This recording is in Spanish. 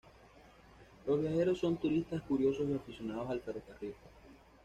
Los viajeros son turistas, curiosos y aficionados al ferrocarril.